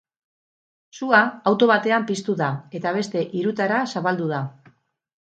Sua auto batean piztu da, eta beste hirutara zabaldu da.